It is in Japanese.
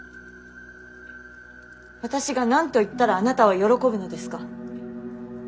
私が何と言ったらあなたは喜ぶのですか。